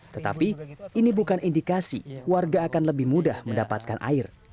tetapi ini bukan indikasi warga akan lebih mudah mendapatkan air